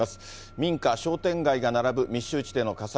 民家、商店街が並ぶ密集地での火災。